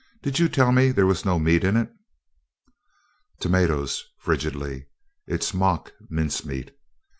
Did you tell me there was no meat in it?" "Tomatoes," frigidly. "It's mock mincemeat."